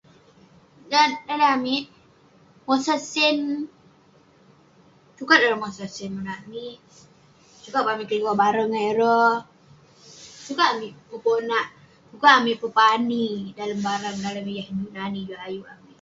Dalem daleh amik, mosah sen, sukat ireh mosah sen monak amik. Sukat peh amik keliwah barang ngan ireh, sukat amik peponak, sukat amik pepani dalem barang dalem yak inouk [unintelligible] juk ayuk amik.